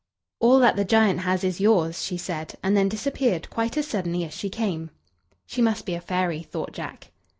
"All that the giant has is yours," she said, and then disappeared quite as suddenly as she came. "She must be a fairy," thought Jack.